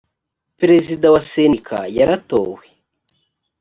perezida wa sendika yaratowe